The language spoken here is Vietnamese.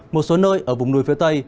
một số nơi ở vùng núi phía tây